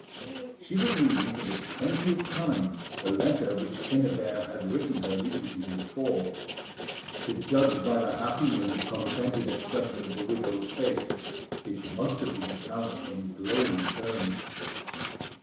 She was reading for the twentieth time a letter which Quenriebert had written her the evening before. To judge by the happy and contented expression of the widow's face, it must have been couched in glowing terms.